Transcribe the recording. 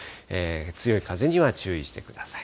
強い風には注意してください。